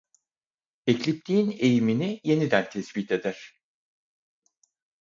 Ekliptiğin eğimini yeniden tespit eder.